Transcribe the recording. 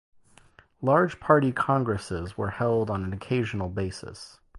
Large Party Congresses were held on an occasional basis.